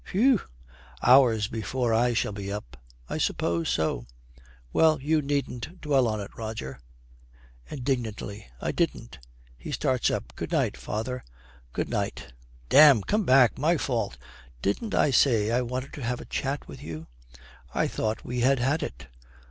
'Phew! Hours before I shall be up.' 'I suppose so.' 'Well, you needn't dwell on it, Roger.' Indignantly. 'I didn't.' He starts up. 'Good night, father.' 'Good night. Damn. Come back. My fault. Didn't I say I wanted to have a chat with you?' 'I thought we had had it.'